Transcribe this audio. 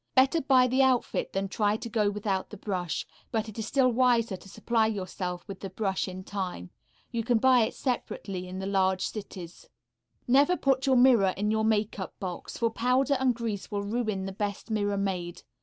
Better buy the outfit than try to go without the brush, but it is still wiser to supply yourself with the brush in time. You can buy it separately in the large cities. Never put your mirror in your makeup box, for powder and grease will ruin the best mirror made.